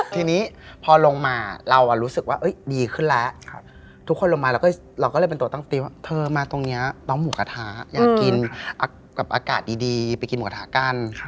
ทีนี้พอลงมาเรารู้สึกว่าดีขึ้นแล้วทุกคนลงมาเราก็เลยเป็นตัวตั้งติว่าเธอมาตรงนี้น้องหมูกระทะอยากกินกับอากาศดีไปกินหมูกระทะกัน